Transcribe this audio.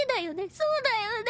そうだよね？